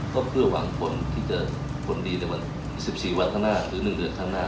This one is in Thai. ก็เพื่อหวังผลที่จะผลดีในวัน๑๔วันข้างหน้าหรือ๑เดือนข้างหน้า